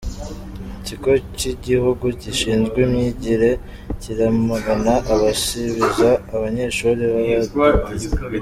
Ikigo kigihugu gishinzwe imyigire kiramagana abasibiza abanyeshuri babadindiza